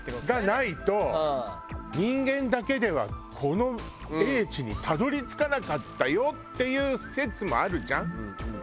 がないと人間だけではこの英知にたどり着かなかったよっていう説もあるじゃん。